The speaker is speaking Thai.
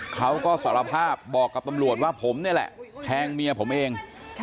เขาก็สารภาพบอกกับตำรวจว่าผมนี่แหละแทงเมียผมเอง